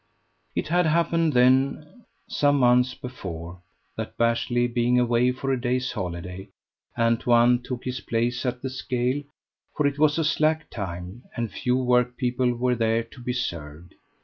It had happened, then, some months before, that Bashley being away for a day's holiday, Antoine took his place at the scale; for it was a slack time, and few workpeople were there to be served.